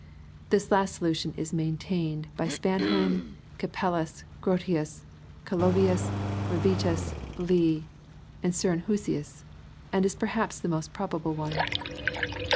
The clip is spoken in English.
This last solution is maintained 6y Span heim, Oapellus, Grotius, Galovins, Bivetus, Leigh, and Sorenhusiua, and is perhaps the most probable one.